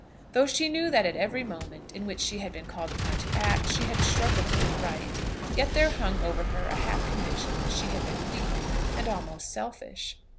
Though she knew that at every moment in which she had been called upon to act, she had struggled to do right, yet there hung over her a half conviction that she had been weak, and almost selfish.